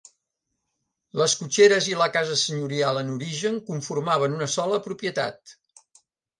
Les cotxeres i la casa senyorial en origen conformaven una sola propietat.